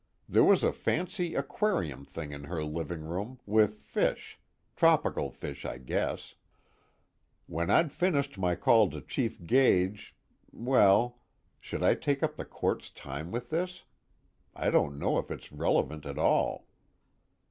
There was a fancy aquarium thing in her living room, with fish, tropical fish I guess. When I'd finished my call to Chief Gage well should I take up the Court's time with this? I don't know if it's relevant at all."